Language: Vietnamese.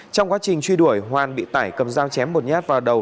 trong quá trình truy đuổi hoàn bị tải cầm dao chém một nhát vào đầu